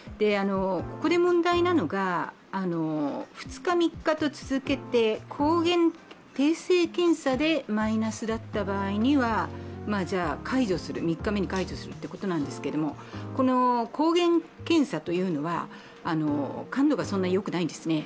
ここで問題なのが、２日、３日と続けて抗原定性検査でマイナスだった場合にはじゃ３日目に解除するということなんですがこの抗原検査というのは感度がそんなに良くないんですね。